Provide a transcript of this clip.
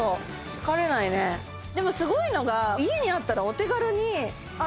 疲れないねでもすごいのが家にあったらお手軽にあ